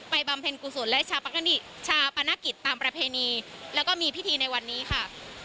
บำเพ็ญกุศลและชาปนกิจตามประเพณีแล้วก็มีพิธีในวันนี้ค่ะ